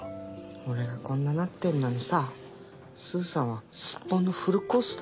俺がこんななってんのにさスーさんはすっぽんのフルコースだ。